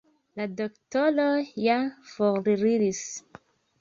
La doktoroj ja foriris.